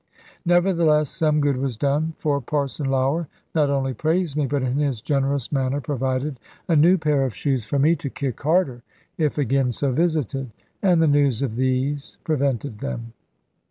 Nevertheless some good was done. For Parson Lougher not only praised me, but in his generous manner provided a new pair of shoes for me, to kick harder, if again so visited. And the news of these prevented them.